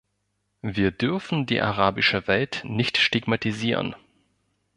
Wir dürfen die arabische Welt nicht stigmatisieren.